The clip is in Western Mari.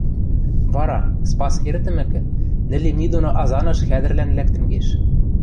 Вара, Спас эртӹмӹкӹ, нӹл имни доно Азаныш хӓдӹрлӓн лӓктӹн кеш.